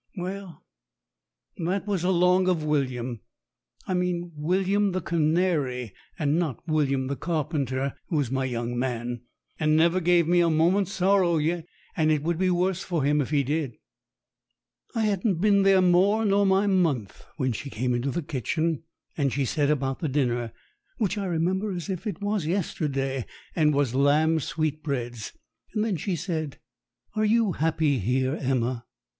Well, that was along of William. I means William the canary, and not William the carpenter, who is my young man, and never gave me a moment's sorrow yet, and it would be worse for him if he did. I hadn't been there more nor my month when she came into the kitchen, and she said about the dinner, which I remember as if it was yesterday, and was lambs' sweetbreads. And then she said "Are you happy here, Emma